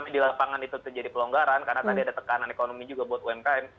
di lapangan itu terjadi pelonggaran karena tadi ada tekanan ekonomi juga buat umkm